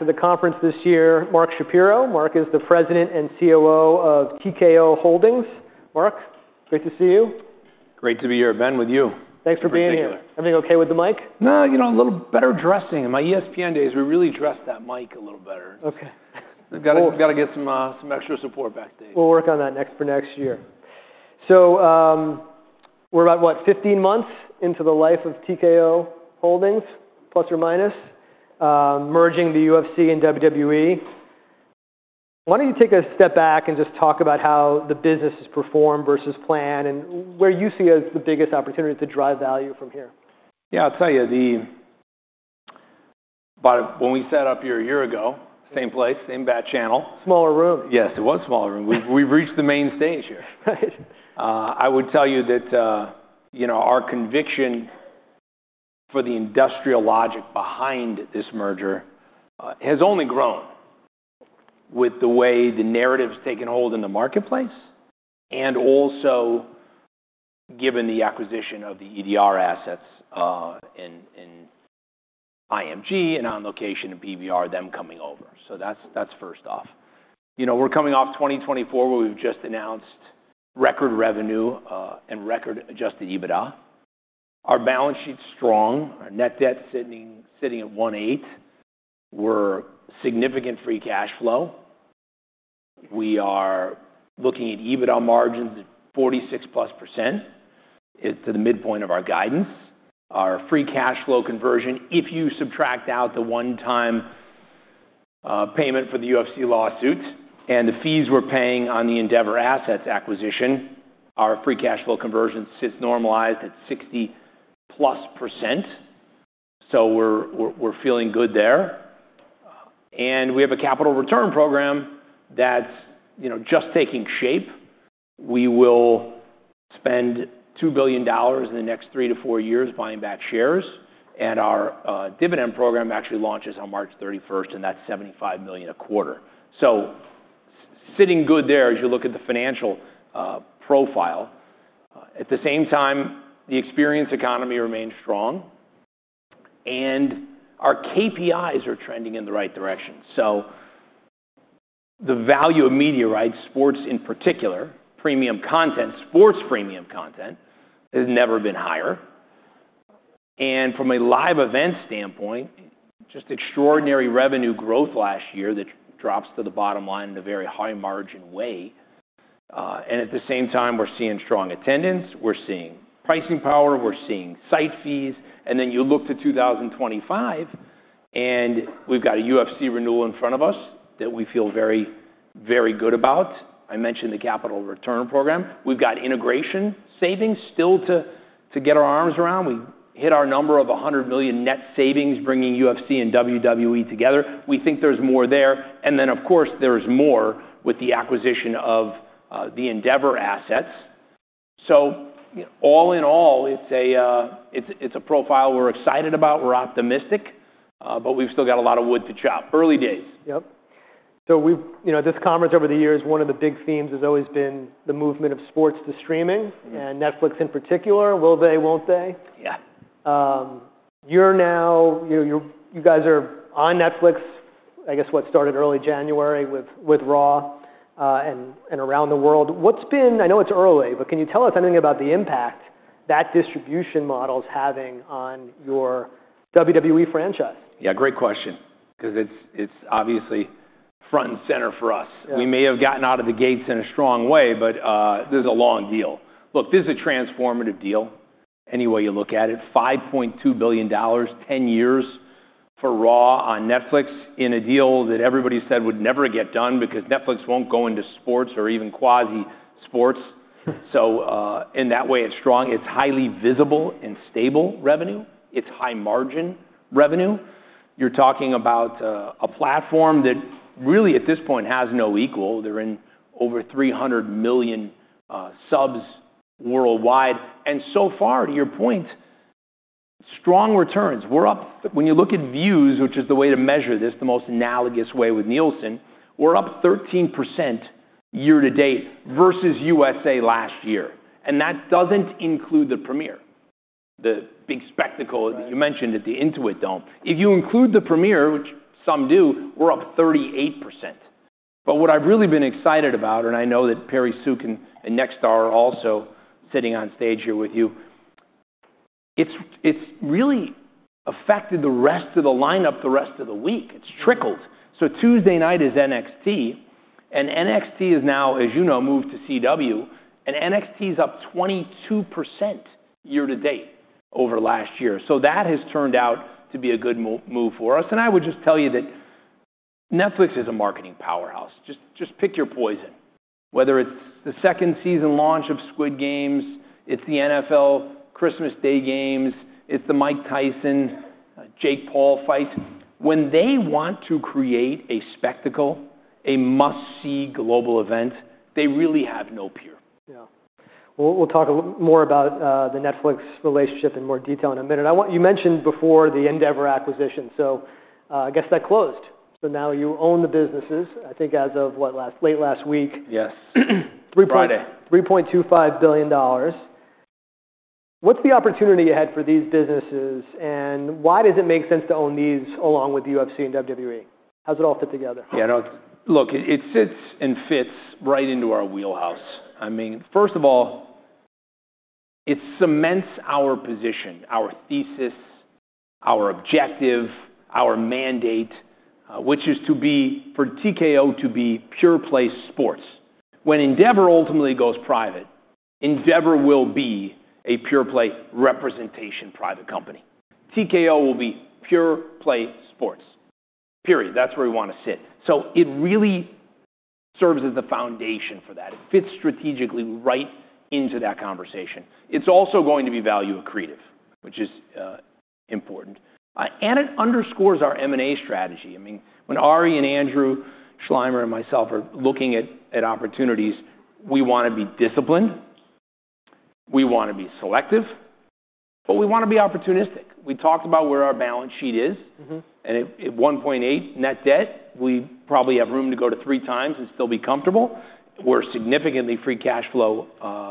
To the conference this year, Mark Shapiro. Mark is the President and COO of TKO Holdings. Mark, great to see you. Great to be here, Ben, with you. Thanks for being here. In particular. Everything okay with the mic? No, you know, a little better dressing. In my ESPN days, we really dressed that mic a little better. Okay. We've got to get some extra support back there. We'll work on that for next year. So we're about, what, 15 months into the life of TKO Group Holdings, plus or minus, merging the UFC and WWE. Why don't you take a step back and just talk about how the business has performed versus planned and where you see the biggest opportunity to drive value from here? Yeah, I'll tell you, when we set up here a year ago, same place, same Bat-channel. Smaller room. Yes, it was a smaller room. We've reached the main stage here. Right. I would tell you that our conviction for the industrial logic behind this merger has only grown with the way the narrative has taken hold in the marketplace and also given the acquisition of the Endeavor assets in IMG and On Location and PBR, them coming over. So that's first off. We're coming off 2024 where we've just announced record revenue and record adjusted EBITDA. Our balance sheet is strong. Our net debt is sitting at $1.8 billion. We have significant free cash flow. We are looking at EBITDA margins at 46%. It's to the midpoint of our guidance. Our free cash flow conversion, if you subtract out the one-time payment for the UFC lawsuit and the fees we're paying on the Endeavor assets acquisition, our free cash flow conversion sits normalized at 60%. So we're feeling good there. We have a capital return program that's just taking shape. We will spend $2 billion in the next three to four years buying back shares. Our dividend program actually launches on March 31st, and that's $75 million a quarter. So, sitting good there as you look at the financial profile. At the same time, the experience economy remains strong. Our KPIs are trending in the right direction. The value of media rights, sports in particular, premium content, sports premium content has never been higher. From a live event standpoint, just extraordinary revenue growth last year that drops to the bottom line in a very high-margin way. At the same time, we're seeing strong attendance. We're seeing pricing power. We're seeing site fees. And then you look to 2025, and we've got a UFC renewal in front of us that we feel very, very good about. I mentioned the capital return program. We've got integration savings still to get our arms around. We hit our number of $100 million net savings bringing UFC and WWE together. We think there's more there. And then, of course, there's more with the acquisition of the Endeavor assets. So all in all, it's a profile we're excited about. We're optimistic, but we've still got a lot of wood to chop. Early days. Yep. So this conference over the years, one of the big themes has always been the movement of sports to streaming and Netflix in particular. Will they, won't they? Yeah. You guys are on Netflix, I guess, what started early January with Raw and around the world. I know it's early, but can you tell us anything about the impact that distribution model is having on your WWE franchise? Yeah, great question because it's obviously front and center for us. We may have gotten out of the gates in a strong way, but this is a long deal. Look, this is a transformative deal any way you look at it. $5.2 billion, 10 years for Raw on Netflix in a deal that everybody said would never get done because Netflix won't go into sports or even quasi-sports. So in that way, it's strong. It's highly visible and stable revenue. It's high-margin revenue. You're talking about a platform that really at this point has no equal. They're in over 300 million subs worldwide. And so far, to your point, strong returns. When you look at views, which is the way to measure this, the most analogous way with Nielsen, we're up 13% year to date versus USA last year. That doesn't include the premiere, the big spectacle that you mentioned at the Intuit Dome. If you include the premiere, which some do, we're up 38%. But what I've really seen excited about, and I know that Perry Sook and Nexstar are also sitting on stage here with you, it's really affected the rest of the lineup the rest of the week. It's trickled. So Tuesday night is NXT. And NXT has now, as you know, moved to CW. And NXT is up 22% year to date over last year. So that has turned out to be a good move for us. And I would just tell you that Netflix is a marketing powerhouse. Just pick your poison. Whether it's the second season launch of Squid Game, it's the NFL Christmas Day games, it's the Mike Tyson, Jake Paul fight. When they want to create a spectacle, a must-see global event, they really have no peer. Yeah. We'll talk more about the Netflix relationship in more detail in a minute. You mentioned before the Endeavor acquisition. So I guess that closed. So now you own the businesses, I think as of what, late last week? Yes. $3.25 billion. What's the opportunity ahead for these businesses? And why does it make sense to own these along with the UFC and WWE? How does it all fit together? Yeah, look, it sits and fits right into our wheelhouse. I mean, first of all, it cements our position, our thesis, our objective, our mandate, which is for TKO to be pure-play sports. When Endeavor ultimately goes private, Endeavor will be a pure-play representation private company. TKO will be pure-play sports. Period. That's where we want to sit. So it really serves as the foundation for that. It fits strategically right into that conversation. It's also going to be value accretive, which is important. And it underscores our MMA strategy. I mean, when Ari and Andrew Schleimer and myself are looking at opportunities, we want to be disciplined. We want to be selective, but we want to be opportunistic. We talked about where our balance sheet is. And at 1.8 net debt, we probably have room to go to three times and still be comfortable. We're significantly free cash flow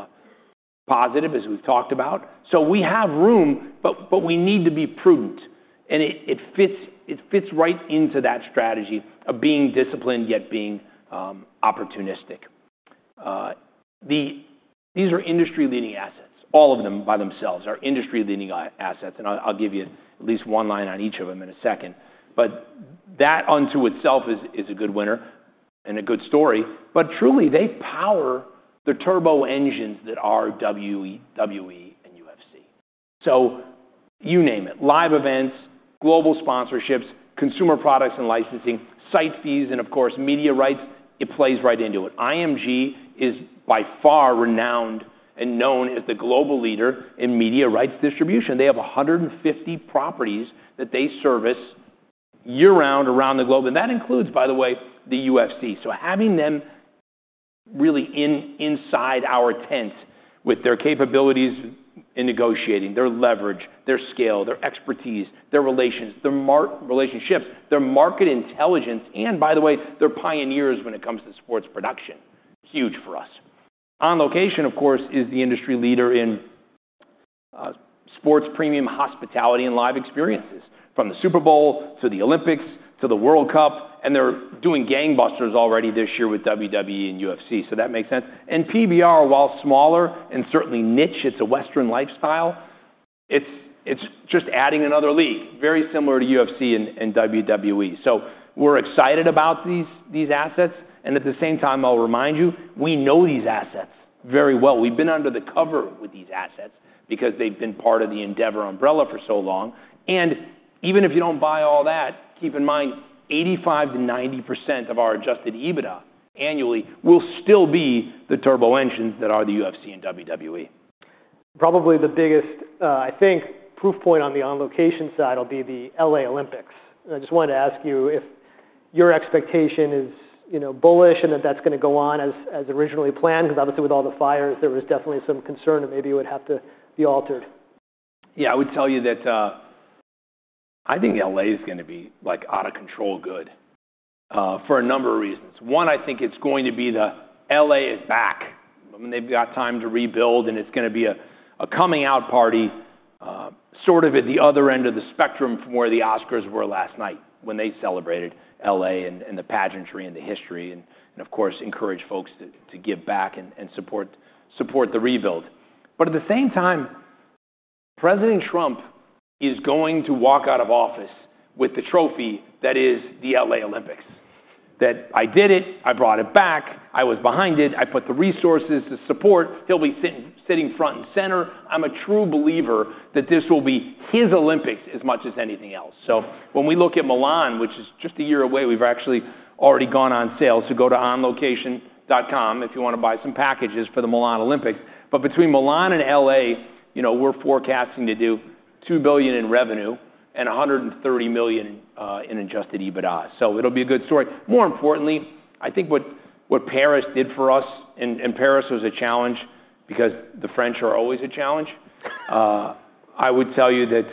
positive, as we've talked about, so we have room, but we need to be prudent, and it fits right into that strategy of being disciplined yet being opportunistic. These are industry-leading assets. All of them by themselves are industry-leading assets, and I'll give you at least one line on each of them in a second, but that in and of itself is a good winner and a good story, but truly, they power the turbo engines that are WWE and UFC, so you name it, live events, global sponsorships, consumer products and licensing, site fees, and of course, media rights. It plays right into it. IMG is by far renowned and known as the global leader in media rights distribution. They have 150 properties that they service year-round around the globe, and that includes, by the way, the UFC. So having them really inside our tent with their capabilities in negotiating, their leverage, their scale, their expertise, their relations, their relationships, their market intelligence, and by the way, they're pioneers when it comes to sports production. Huge for us. On Location, of course, is the industry leader in sports premium hospitality and live experiences from the Super Bowl to the Olympics to the World Cup. And they're doing gangbusters already this year with WWE and UFC. So that makes sense. And PBR, while smaller and certainly niche, it's a Western lifestyle. It's just adding another league, very similar to UFC and WWE. So we're excited about these assets. And at the same time, I'll remind you, we know these assets very well. We've been undercover with these assets because they've been part of the Endeavor umbrella for so long. Even if you don't buy all that, keep in mind, 85%-90% of our adjusted EBITDA annually will still be the turbo engines that are the UFC and WWE. Probably the biggest, I think, proof point on the On Location side will be the L.A. Olympics. I just wanted to ask you if your expectation is bullish and that that's going to go on as originally planned? Because obviously, with all the fires, there was definitely some concern that maybe it would have to be altered. Yeah, I would tell you that I think LA is going to be out of control good for a number of reasons. One, I think it's going to be the LA is back. I mean, they've got time to rebuild, and it's going to be a coming-out party sort of at the other end of the spectrum from where the Oscars were last night when they celebrated LA and the pageantry and the history and, of course, encourage folks to give back and support the rebuild. But at the same time, President Trump is going to walk out of office with the trophy that is the LA Olympics. That I did it, I brought it back, I was behind it, I put the resources to support. He'll be sitting front and center. I'm a true believer that this will be his Olympics as much as anything else. So when we look at Milan, which is just a year away, we've actually already gone on sales to go to onlocation.com if you want to buy some packages for the Milan Olympics. But between Milan and LA, we're forecasting to do $2 billion in revenue and $130 million in adjusted EBITDA. So it'll be a good story. More importantly, I think what Paris did for us, and Paris was a challenge because the French are always a challenge. I would tell you that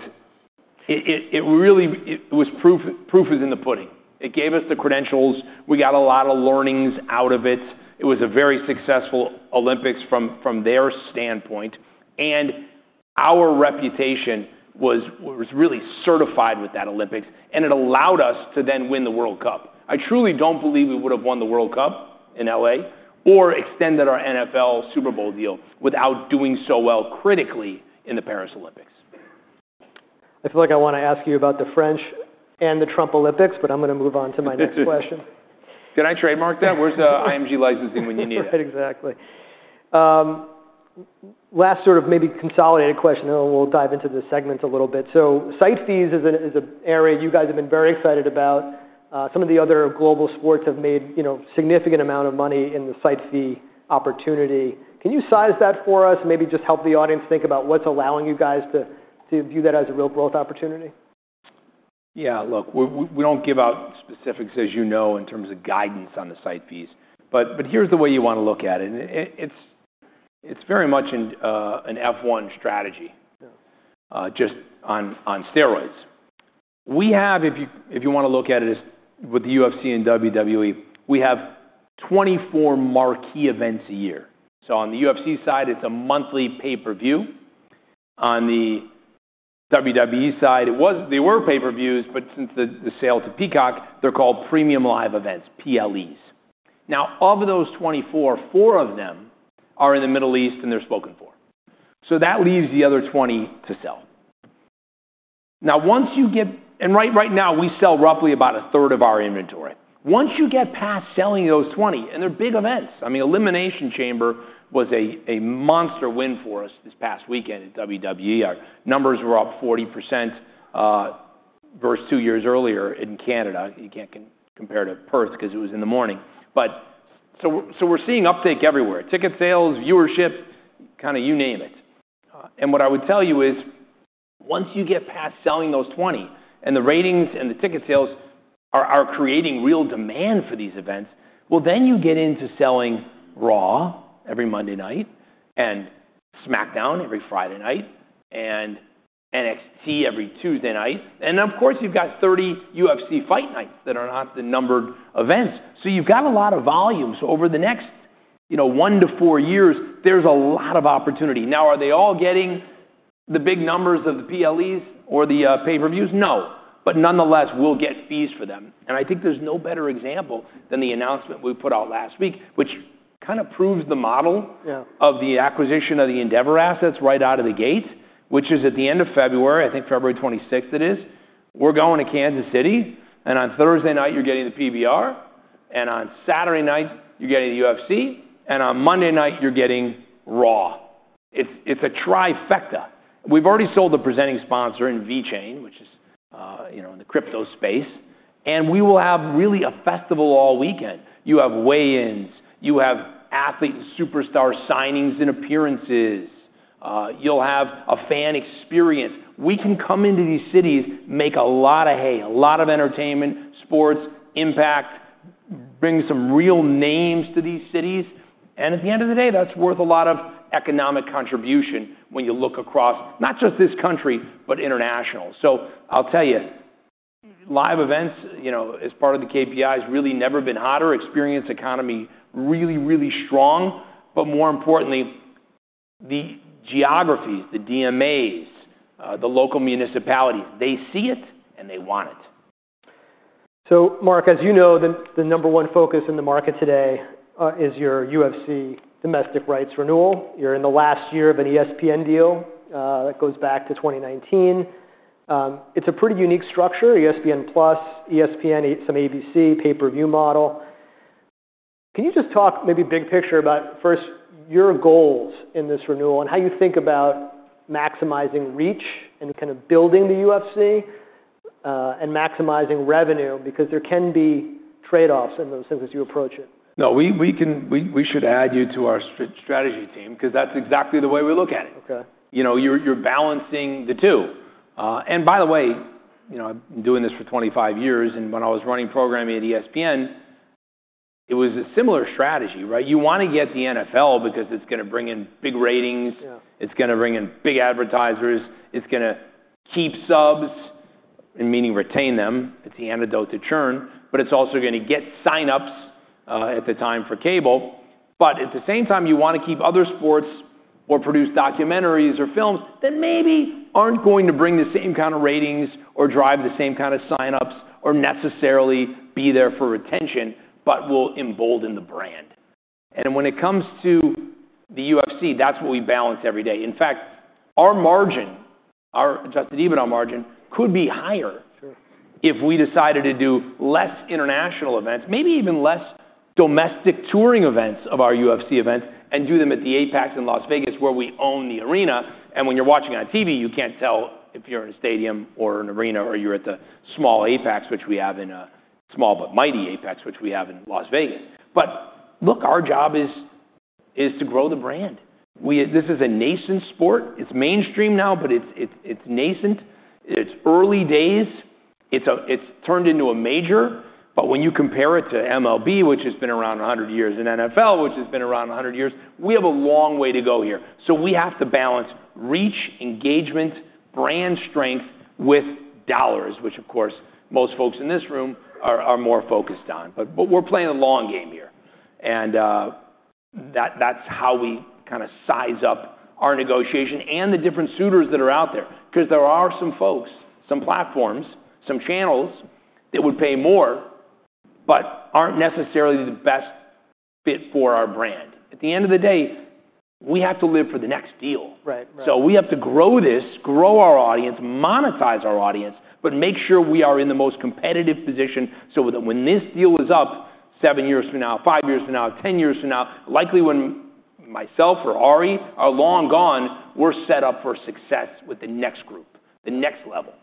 it really was proof is in the pudding. It gave us the credentials. We got a lot of learnings out of it. It was a very successful Olympics from their standpoint. And our reputation was really certified with that Olympics. And it allowed us to then win the World Cup. I truly don't believe we would have won the World Cup in LA or extended our NFL Super Bowl deal without doing so well critically in the Paris Olympics. I feel like I want to ask you about the French and the Trump Olympics, but I'm going to move on to my next question. Did I trademark that? Where's the IMG licensing when you need it? Exactly. Last sort of maybe consolidated question. We'll dive into the segments a little bit. So site fees is an area you guys have been very excited about. Some of the other global sports have made a significant amount of money in the site fee opportunity. Can you size that for us? Maybe just help the audience think about what's allowing you guys to view that as a real growth opportunity? Yeah, look, we don't give out specifics, as you know, in terms of guidance on the site fees. But here's the way you want to look at it. It's very much an F1 strategy just on steroids. We have, if you want to look at it with the UFC and WWE, we have 24 marquee events a year. So on the UFC side, it's a monthly pay-per-view. On the WWE side, they were pay-per-views, but since the sale to Peacock, they're called premium live events, PLEs. Now, of those 24, four of them are in the Middle East and they're spoken for. So that leaves the other 20 to sell. Now, once you get, and right now, we sell roughly about a third of our inventory. Once you get past selling those 20, and they're big events. I mean, Elimination Chamber was a monster win for us this past weekend at WWE. Our numbers were up 40% versus two years earlier in Canada. You can't compare to Perth because it was in the morning, but so we're seeing uptake everywhere. Ticket sales, viewership, kind of you name it. What I would tell you is once you get past selling those 20 and the ratings and the ticket sales are creating real demand for these events, well, then you get into selling Raw every Monday night and SmackDown every Friday night and NXT every Tuesday night. Of course, you've got 30 UFC fight nights that are not the numbered events. So you've got a lot of volume. Over the next one to four years, there's a lot of opportunity. Now, are they all getting the big numbers of the PLEs or the pay-per-views? No. But nonetheless, we'll get fees for them. And I think there's no better example than the announcement we put out last week, which kind of proves the model of the acquisition of the Endeavor assets right out of the gate, which is at the end of February, I think February 26th it is. We're going to Kansas City. And on Thursday night, you're getting the PBR. And on Saturday night, you're getting the UFC. And on Monday night, you're getting Raw. It's a trifecta. We've already sold the presenting sponsor in VeChain, which is in the crypto space. And we will have really a festival all weekend. You have weigh-ins. You have athlete and superstar signings and appearances. You'll have a fan experience. We can come into these cities, make a lot of hay, a lot of entertainment, sports, impact, bring some real names to these cities. At the end of the day, that's worth a lot of economic contribution when you look across not just this country, but international. I'll tell you, live events as part of the KPIs really never been hotter. Experience economy really, really strong. More importantly, the geographies, the DMAs, the local municipalities, they see it and they want it. So, Mark, as you know, the number one focus in the market today is your UFC domestic rights renewal. You're in the last year of an ESPN deal that goes back to 2019. It's a pretty unique structure. ESPN Plus, ESPN, some ABC pay-per-view model. Can you just talk maybe big picture about first your goals in this renewal and how you think about maximizing reach and kind of building the UFC and maximizing revenue because there can be trade-offs in those things as you approach it? No, we should add you to our strategy team because that's exactly the way we look at it. You're balancing the two, and by the way, I've been doing this for 25 years, and when I was running programming at ESPN, it was a similar strategy. You want to get the NFL because it's going to bring in big ratings. It's going to bring in big advertisers. It's going to keep subs, meaning retain them. It's the antidote to churn, but it's also going to get sign-ups at the time for cable, but at the same time, you want to keep other sports or produce documentaries or films that maybe aren't going to bring the same kind of ratings or drive the same kind of sign-ups or necessarily be there for retention, but will embolden the brand, and when it comes to the UFC, that's what we balance every day. In fact, our margin, our adjusted EBITDA margin could be higher if we decided to do less international events, maybe even less domestic touring events of our UFC events and do them at the APEX in Las Vegas where we own the arena, and when you're watching on TV, you can't tell if you're in a stadium or an arena or you're at the small APEX, which we have in a small but mighty APEX, which we have in Las Vegas, but look, our job is to grow the brand. This is a nascent sport. It's mainstream now, but it's nascent. It's early days. It's turned into a major, but when you compare it to MLB, which has been around 100 years, and NFL, which has been around 100 years, we have a long way to go here. So we have to balance reach, engagement, brand strength with dollars, which of course, most folks in this room are more focused on. But we're playing a long game here. And that's how we kind of size up our negotiation and the different suitors that are out there. Because there are some folks, some platforms, some channels that would pay more but aren't necessarily the best fit for our brand. At the end of the day, we have to live for the next deal. So we have to grow this, grow our audience, monetize our audience, but make sure we are in the most competitive position so that when this deal is up, seven years from now, five years from now, 10 years from now, likely when myself or Ari are long gone, we're set up for success with the next group, the next level.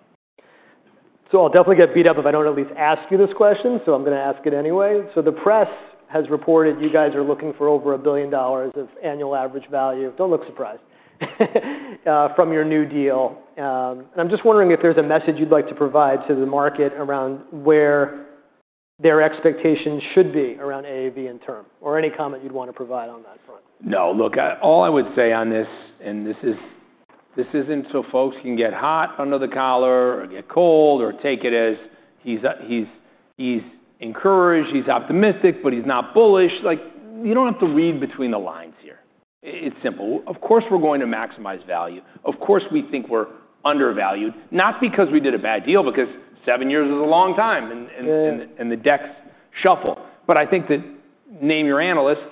I'll definitely get beat up if I don't at least ask you this question. I'm going to ask it anyway. The press has reported you guys are looking for over $1 billion of annual average value. Don't look surprised from your new deal. I'm just wondering if there's a message you'd like to provide to the market around where their expectations should be around AAV in terms or any comment you'd want to provide on that front. No, look, all I would say on this, and this isn't so folks can get hot under the collar or get cold or take it as he's encouraged, he's optimistic, but he's not bullish. You don't have to read between the lines here. It's simple. Of course, we're going to maximize value. Of course, we think we're undervalued, not because we did a bad deal, because seven years is a long time and the decks shuffle. But I think that name your analyst,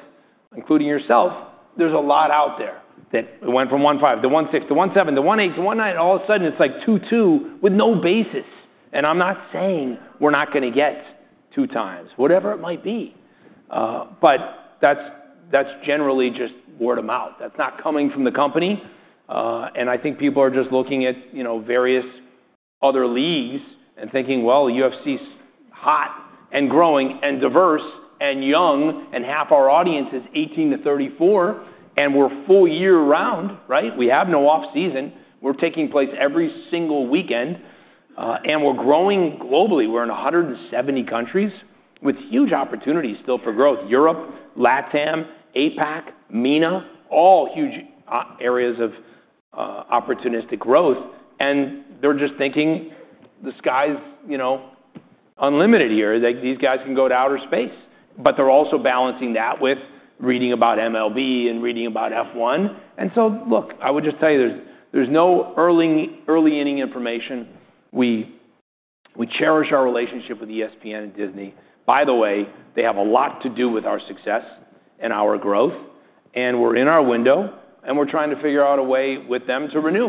including yourself, there's a lot out there that we went from 1.5 to 1.6 to 1.7 to 1.8 to 1.9. All of a sudden, it's like 2.2 with no basis. And I'm not saying we're not going to get two times, whatever it might be. But that's generally just word of mouth. That's not coming from the company. I think people are just looking at various other leagues and thinking, well, UFC is hot and growing and diverse and young and half our audience is 18 to 34 and we're full year round, right? We have no off season. We're taking place every single weekend. And we're growing globally. We're in 170 countries with huge opportunities still for growth. Europe, LATAM, APAC, MENA, all huge areas of opportunistic growth. And they're just thinking the sky's unlimited here. These guys can go to outer space. But they're also balancing that with reading about MLB and reading about F1. And so look, I would just tell you there's no early-inning information. We cherish our relationship with ESPN and Disney. By the way, they have a lot to do with our success and our growth. And we're in our window. We're trying to figure out a way with them to renew.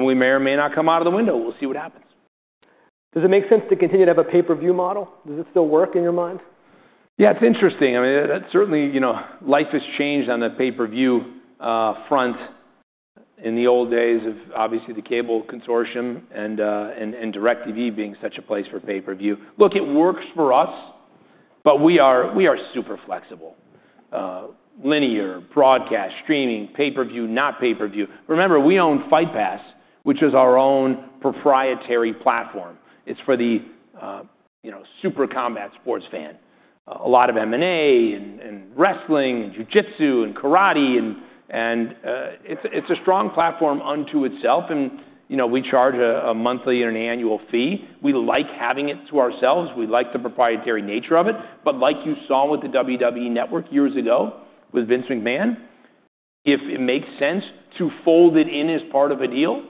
We may or may not come out of the window. We'll see what happens. Does it make sense to continue to have a pay-per-view model? Does it still work in your mind? Yeah, it's interesting. I mean, certainly life has changed on the pay-per-view front in the old days of obviously the cable consortium and DirecTV being such a place for pay-per-view. Look, it works for us. But we are super flexible. Linear, broadcast, streaming, pay-per-view, not pay-per-view. Remember, we own Fight Pass, which is our own proprietary platform. It's for the super combat sports fan. A lot of MMA and wrestling and jiu-jitsu and karate. And it's a strong platform unto itself. And we charge a monthly and an annual fee. We like having it to ourselves. We like the proprietary nature of it. But like you saw with the WWE Network years ago with Vince McMahon, if it makes sense to fold it in as part of a deal,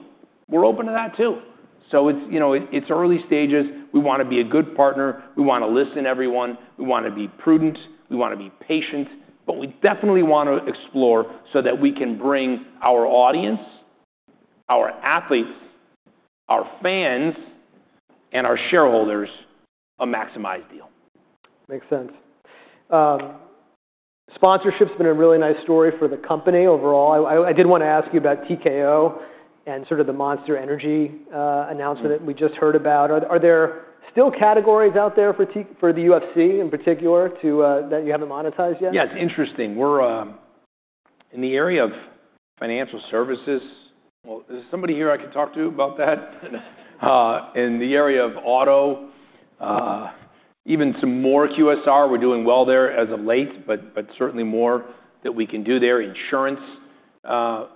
we're open to that too. So it's early stages. We want to be a good partner. We want to listen to everyone. We want to be prudent. We want to be patient. But we definitely want to explore so that we can bring our audience, our athletes, our fans, and our shareholders a maximized deal. Makes sense. Sponsorship has been a really nice story for the company overall. I did want to ask you about TKO and sort of the Monster Energy announcement that we just heard about. Are there still categories out there for the UFC in particular that you haven't monetized yet? Yeah, it's interesting. We're in the area of financial services. Is there somebody here I can talk to about that? In the area of auto, even some more QSR. We're doing well there as of late, but certainly more that we can do there. Insurance.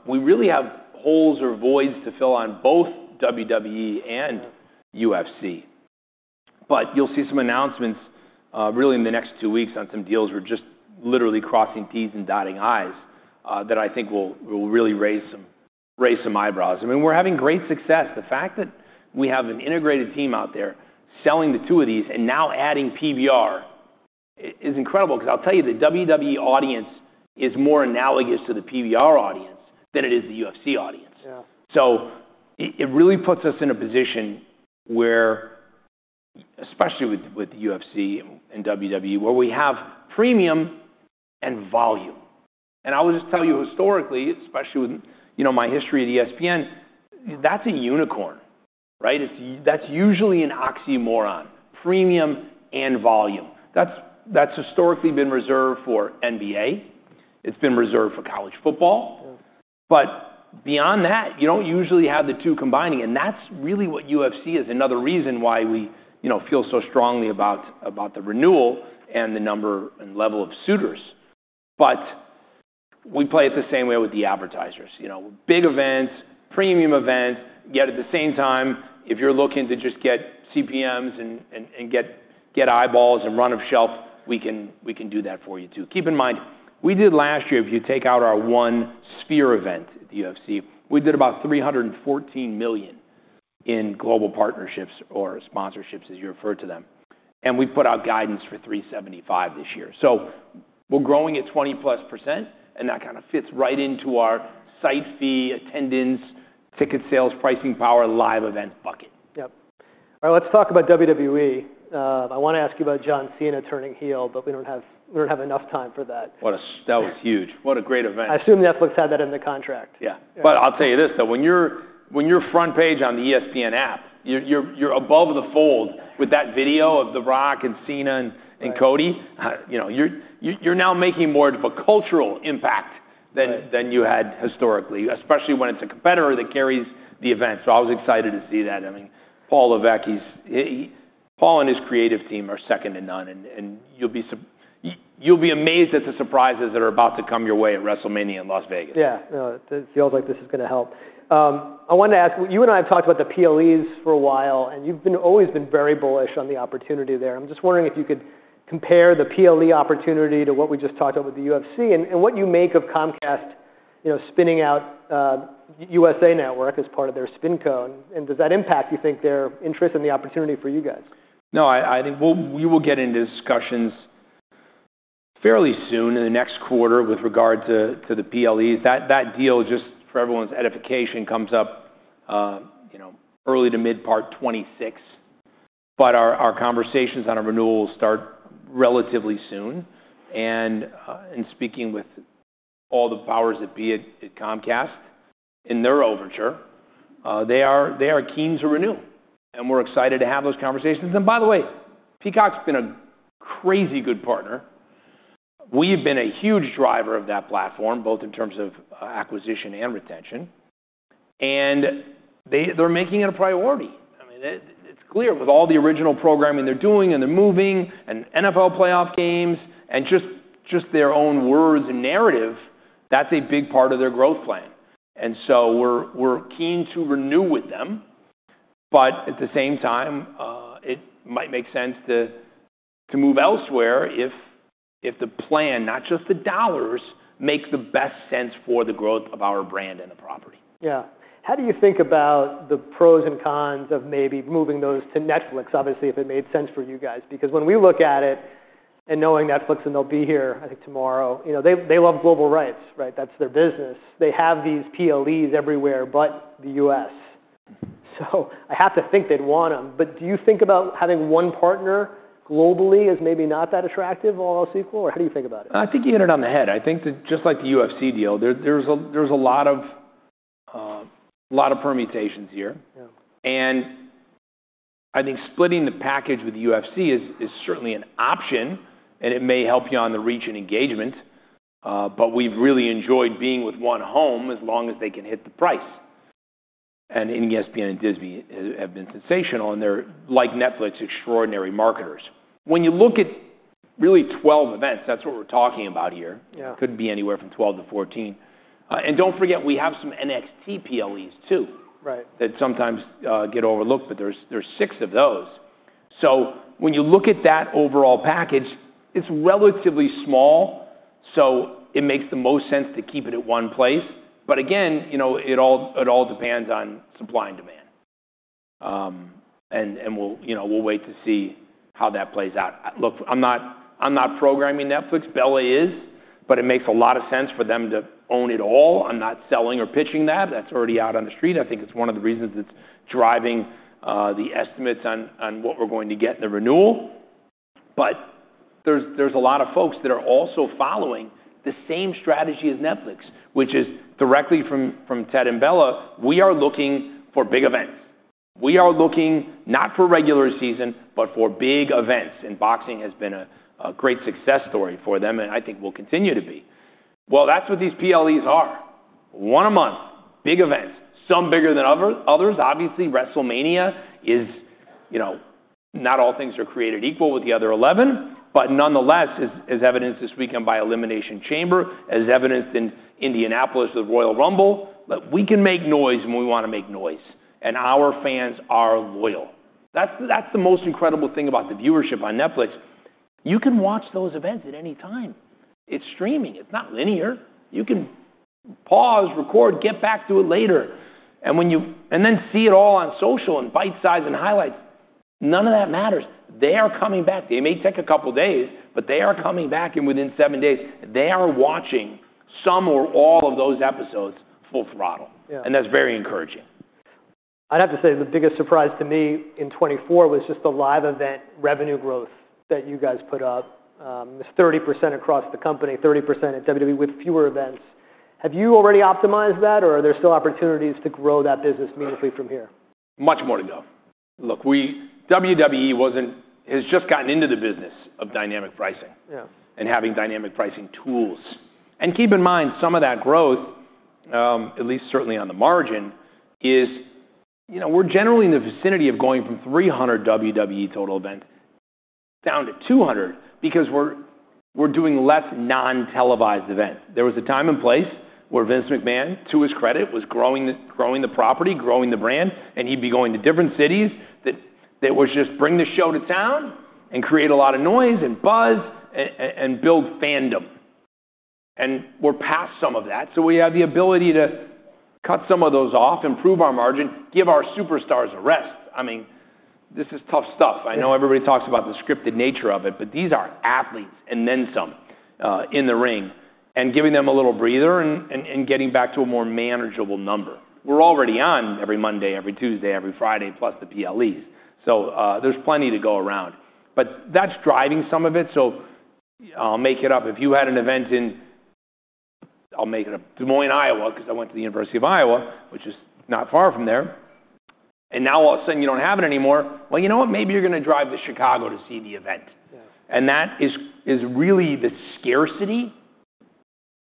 We really have holes or voids to fill on both WWE and UFC. But you'll see some announcements really in the next two weeks on some deals. We're just literally crossing T's and dotting I's that I think will really raise some eyebrows. I mean, we're having great success. The fact that we have an integrated team out there selling the two of these and now adding PBR is incredible. Because I'll tell you, the WWE audience is more analogous to the PBR audience than it is the UFC audience. So it really puts us in a position where, especially with UFC and WWE, where we have premium and volume. And I will just tell you historically, especially with my history at ESPN, that's a unicorn. That's usually an oxymoron, premium and volume. That's historically been reserved for NBA. It's been reserved for college football. But beyond that, you don't usually have the two combining. And that's really what UFC is, another reason why we feel so strongly about the renewal and the number and level of suitors. But we play it the same way with the advertisers. Big events, premium events. Yet at the same time, if you're looking to just get CPMs and get eyeballs and run of shelf, we can do that for you too. Keep in mind, we did last year, if you take out our one Sphere event at the UFC, we did about $314 million in global partnerships or sponsorships as you refer to them. And we put out guidance for $375 million this year. So we're growing at 20% plus. And that kind of fits right into our site fee, attendance, ticket sales, pricing power, live event bucket. Yep. All right, let's talk about WWE. I want to ask you about John Cena turning heel, but we don't have enough time for that. That was huge. What a great event! I assume Netflix had that in the contract. Yeah. But I'll tell you this though. When you're front page on the ESPN app, you're above the fold with that video of The Rock and Cena and Cody. You're now making more of a cultural impact than you had historically, especially when it's a competitor that carries the event. So I was excited to see that. I mean, Paul Levesque, Paul and his creative team are second to none. And you'll be amazed at the surprises that are about to come your way at WrestleMania in Las Vegas. Yeah. It feels like this is going to help. I wanted to ask, you and I have talked about the PLEs for a while. And you've always been very bullish on the opportunity there. I'm just wondering if you could compare the PLE opportunity to what we just talked about with the UFC and what you make of Comcast spinning out USA Network as part of their spinoff. And does that impact, you think, their interest and the opportunity for you guys? No, I think we will get into discussions fairly soon in the next quarter with regard to the PLEs. That deal, just for everyone's edification, comes up early to mid-2026. But our conversations on a renewal will start relatively soon. And in speaking with all the powers that be at Comcast in their overture, they are keen to renew. And we're excited to have those conversations. And by the way, Peacock's been a crazy good partner. We have been a huge driver of that platform, both in terms of acquisition and retention. And they're making it a priority. I mean, it's clear with all the original programming they're doing and they're moving and NFL playoff games and just their own words and narrative, that's a big part of their growth plan. And so we're keen to renew with them. But at the same time, it might make sense to move elsewhere if the plan, not just the dollars, makes the best sense for the growth of our brand and the property. Yeah. How do you think about the pros and cons of maybe moving those to Netflix, obviously, if it made sense for you guys? Because when we look at it and knowing Netflix and they'll be here, I think tomorrow, they love global rights, right? That's their business. They have these PLEs everywhere but the U.S. So I have to think they'd want them. But do you think about having one partner globally as maybe not that attractive or less equal? Or how do you think about it? I think you hit it on the head. I think that just like the UFC deal, there's a lot of permutations here. And I think splitting the package with UFC is certainly an option. And it may help you on the reach and engagement. But we've really enjoyed being with one home as long as they can hit the price. And ESPN and Disney have been sensational. And they're, like Netflix, extraordinary marketers. When you look at really 12 events, that's what we're talking about here. It could be anywhere from 12 to 14. And don't forget, we have some NXT PLEs too that sometimes get overlooked. But there's six of those. So when you look at that overall package, it's relatively small. So it makes the most sense to keep it at one place. But again, it all depends on supply and demand. And we'll wait to see how that plays out. Look, I'm not programming Netflix. Bela is. But it makes a lot of sense for them to own it all. I'm not selling or pitching that. That's already out on the street. I think it's one of the reasons that's driving the estimates on what we're going to get in the renewal. But there's a lot of folks that are also following the same strategy as Netflix, which is directly from Ted and Bela. We are looking for big events. We are looking not for regular season, but for big events. And boxing has been a great success story for them. And I think we'll continue to be. Well, that's what these PLEs are. One a month, big events, some bigger than others. Obviously, WrestleMania is. Not all things are created equal with the other 11. But nonetheless, as evidenced this weekend by Elimination Chamber, as evidenced in Indianapolis with Royal Rumble, we can make noise when we want to make noise. And our fans are loyal. That's the most incredible thing about the viewership on Netflix. You can watch those events at any time. It's streaming. It's not linear. You can pause, record, get back to it later. And then see it all on social and bite-size and highlights. None of that matters. They are coming back. They may take a couple of days, but they are coming back. And within seven days, they are watching some or all of those episodes full throttle. And that's very encouraging. I'd have to say the biggest surprise to me in 2024 was just the live event revenue growth that you guys put up. It's 30% across the company, 30% at WWE with fewer events. Have you already optimized that? Or are there still opportunities to grow that business meaningfully from here? Much more to go. Look, WWE has just gotten into the business of dynamic pricing and having dynamic pricing tools. And keep in mind, some of that growth, at least certainly on the margin, is we're generally in the vicinity of going from 300 WWE total events down to 200 because we're doing less non-televised events. There was a time and place where Vince McMahon, to his credit, was growing the property, growing the brand. And he'd be going to different cities that would just bring the show to town and create a lot of noise and buzz and build fandom. And we're past some of that. So we have the ability to cut some of those off, improve our margin, give our superstars a rest. I mean, this is tough stuff. I know everybody talks about the scripted nature of it. But these are athletes and then some in the ring. And giving them a little breather and getting back to a more manageable number. We're already on every Monday, every Tuesday, every Friday, plus the PLEs. So there's plenty to go around. But that's driving some of it. So I'll make it up. If you had an event in, I'll make it up, Des Moines, Iowa, because I went to the University of Iowa, which is not far from there. And now all of a sudden, you don't have it anymore. Well, you know what? Maybe you're going to drive to Chicago to see the event. And that is really the scarcity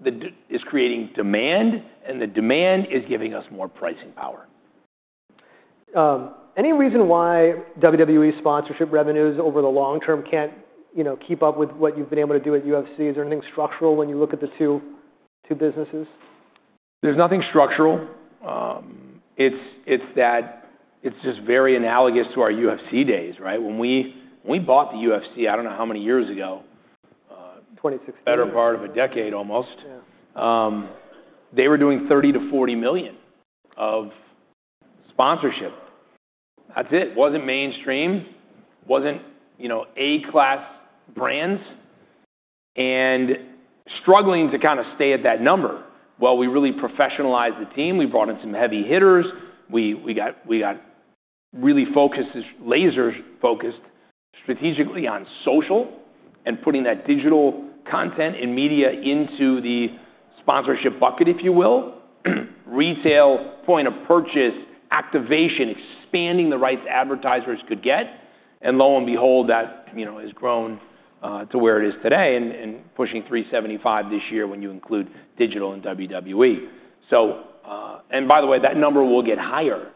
that is creating demand. And the demand is giving us more pricing power. Any reason why WWE sponsorship revenues over the long term can't keep up with what you've been able to do at UFC? Is there anything structural when you look at the two businesses? There's nothing structural. It's that it's just very analogous to our UFC days, right? When we bought the UFC, I don't know how many years ago. 2016. Better part of a decade almost. They were doing $30 million-$40 million of sponsorship. That's it. It wasn't mainstream. It wasn't A-class brands. And struggling to kind of stay at that number. Well, we really professionalized the team. We brought in some heavy hitters. We got really laser-focused strategically on social and putting that digital content and media into the sponsorship bucket, if you will, retail point of purchase activation, expanding the rights advertisers could get. And lo and behold, that has grown to where it is today and pushing $375 million this year when you include digital and WWE. And by the way, that number will get higher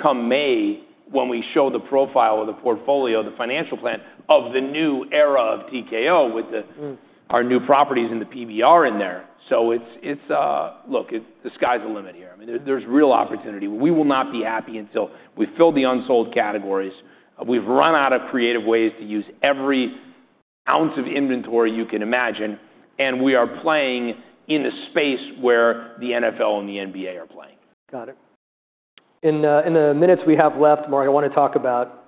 come May when we show the profile of the portfolio, the financial plan of the new era of TKO with our new properties and the PBR in there. So look, the sky's the limit here. I mean, there's real opportunity. We will not be happy until we fill the unsold categories. We've run out of creative ways to use every ounce of inventory you can imagine, and we are playing in a space where the NFL and the NBA are playing. Got it. In the minutes we have left, Mark, I want to talk about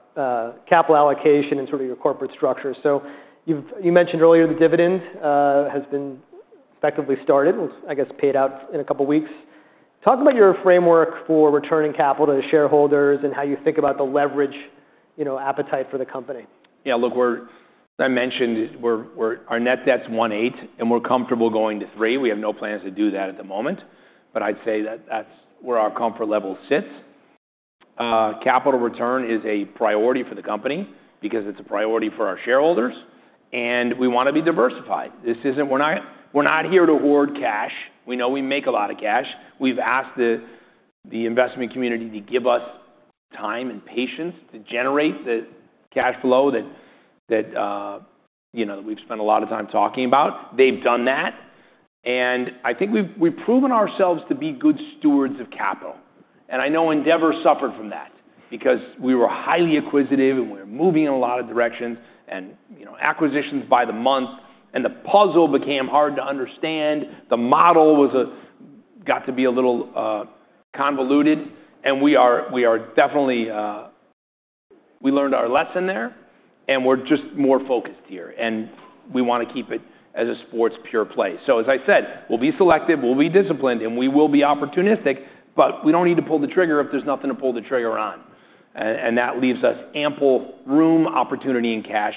capital allocation and sort of your corporate structure. So you mentioned earlier the dividend has been effectively started, I guess, paid out in a couple of weeks. Talk about your framework for returning capital to shareholders and how you think about the leverage appetite for the company. Yeah. Look, I mentioned our net debt's $1.8 billion, and we're comfortable going to $3 billion. We have no plans to do that at the moment, but I'd say that that's where our comfort level sits. Capital return is a priority for the company because it's a priority for our shareholders, and we want to be diversified. We're not here to hoard cash. We know we make a lot of cash. We've asked the investment community to give us time and patience to generate the cash flow that we've spent a lot of time talking about. They've done that, and I think we've proven ourselves to be good stewards of capital. I know Endeavor suffered from that because we were highly acquisitive, and we were moving in a lot of directions, and acquisitions by the month. The puzzle became hard to understand. The model got to be a little convoluted. are definitely [something missing?], we learned our lesson there. We're just more focused here. We want to keep it as a sports pure-play. As I said, we'll be selective. We'll be disciplined. We will be opportunistic. We don't need to pull the trigger if there's nothing to pull the trigger on. That leaves us ample room, opportunity, and cash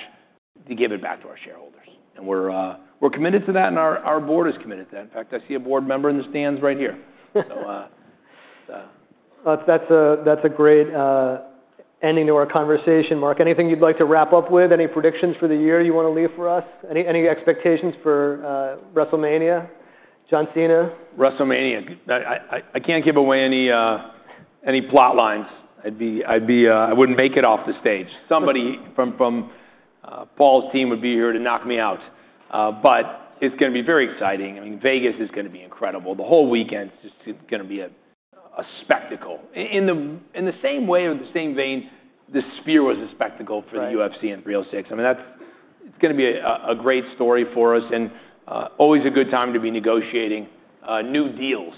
to give it back to our shareholders. We're committed to that. Our board is committed to that. In fact, I see a board member in the stands right here. That's a great ending to our conversation, Mark. Anything you'd like to wrap up with? Any predictions for the year you want to leave for us? Any expectations for WrestleMania? John Cena? WrestleMania, I can't give away any plot lines. I wouldn't make it off the stage. Somebody from Paul's team would be here to knock me out, but it's going to be very exciting. I mean, Vegas is going to be incredible. The whole weekend is just going to be a spectacle. In the same way, or the same vein, the Sphere was a spectacle for the UFC in 306. I mean, it's going to be a great story for us, and always a good time to be negotiating new deals,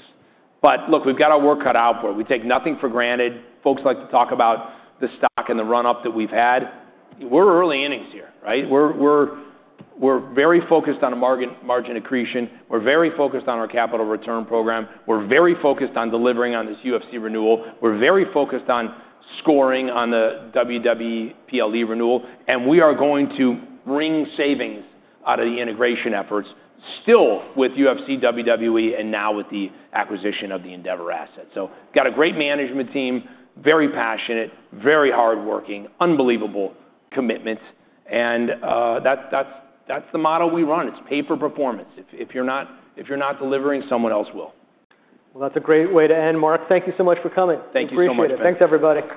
but look, we've got our work cut out for it. We take nothing for granted. Folks like to talk about the stock and the run-up that we've had. We're early innings here, right? We're very focused on margin accretion. We're very focused on our capital return program. We're very focused on delivering on this UFC renewal. We're very focused on scoring on the WWE PLE renewal. And we are going to bring savings out of the integration efforts still with UFC, WWE, and now with the acquisition of the Endeavor assets. So we've got a great management team, very passionate, very hardworking, unbelievable commitments. And that's the model we run. It's pay for performance. If you're not delivering, someone else will. That's a great way to end, Mark. Thank you so much for coming. Thank you so much. Appreciate it. Thanks, everybody.